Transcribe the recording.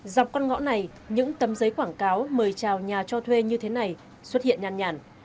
dọc con ngõ này những tấm giấy quảng cáo mời trào nhà cho thuê như thế này xuất hiện nhàn nhàn